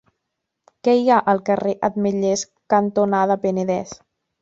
Què hi ha al carrer Ametllers cantonada Penedès?